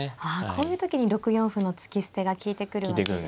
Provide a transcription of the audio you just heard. こういう時に６四歩の突き捨てが利いてくるわけですね。